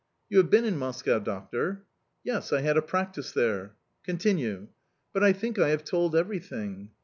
"You have been in Moscow, doctor?" "Yes, I had a practice there." "Continue." "But I think I have told everything...